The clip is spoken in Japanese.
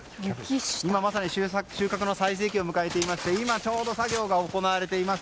今まさに収穫の最盛期を迎えていまして今、ちょうど作業が行われています。